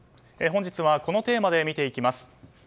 本日はこのテーマで見ていきます。